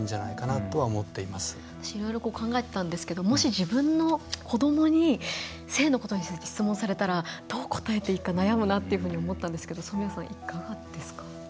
いろいろ考えてたんですがもし自分の子どもに性のことについて質問されたらどう答えていいか悩むなって思ったんですけど染矢さん、いかがですか？